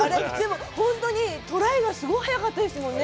本当にトライがすごい速かったですもんね